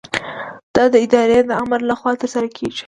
دا د ادارې د آمر له خوا ترسره کیږي.